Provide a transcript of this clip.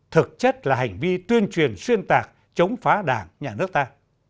thực chất là hành vi tuyên truyền xuyên tạc chống phá đảng nhà nước ta